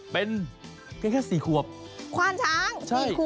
เป็นเพียงแค่สี่ขวบควานช้างสี่ขวบ